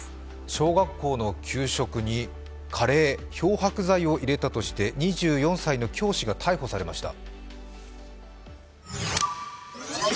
小学校の給食にカレーに漂白剤を入れたとして２４歳の教師が逮捕されました。